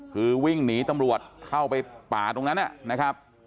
คือวิ่งหนีตำรวจเข้าไปป่าตรงนั้นนะครับ